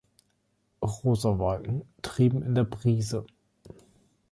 Rosa Wolken trieben in der Brise.